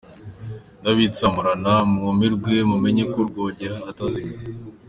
Ndabitsamurana mwumirwe, mumenye ko Rwogera atazimye!